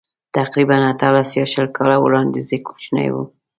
تقریباً اتلس یا شل کاله وړاندې زه کوچنی وم.